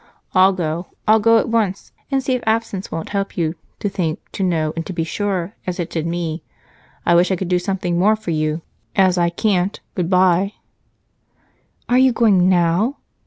I'll go; I'll go at once, and see if absence won't help you 'to think, to know, and to be sure' as it did me. I wish I could do something more for you. As I can't, good bye." "Are you going now?"